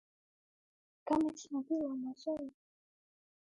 Но проходя в другой раз, он увидал у окна старую графиню.